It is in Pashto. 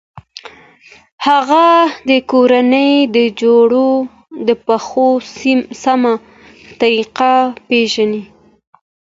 هغه د کورنۍ د خوړو د پخلي سمه طریقه پېژني.